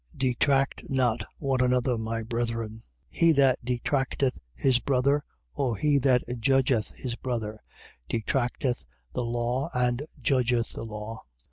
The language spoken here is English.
4:11. Detract not one another, my brethren. He that detracteth his brother, or he that judgeth his brother, detracteth the law and judgeth the law.